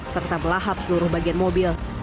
serta melahap seluruh bagian mobil